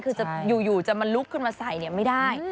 คืออยู่จะมาลุกขึ้นมาใส่เนี่ยไม่ได้